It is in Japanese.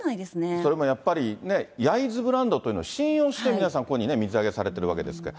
それもやっぱりね、焼津ブランドというのを信用して皆さんここにね、水揚げされているわけですから。